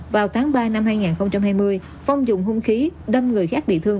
vào tháng ba năm hai nghìn hai mươi phong dùng hung khí đâm người khác bị thương